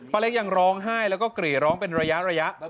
เล็กยังร้องไห้แล้วก็กรีร้องเป็นระยะ